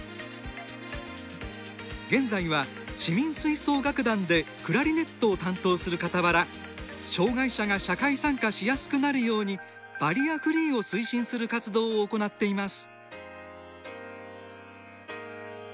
現在は、市民吹奏楽団でクラリネットを担当するかたわら障がい者が社会参加しやすくなるようにバリアフリーを推進する活動を行っています。